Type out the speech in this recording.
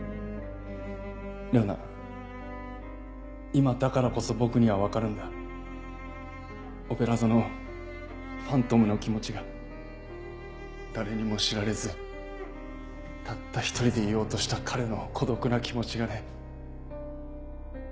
今だからこそ僕には分かるんだオペラ座のファントムの気持ちが誰にも知られずたった１人でいようとした彼の孤独な気持ちがね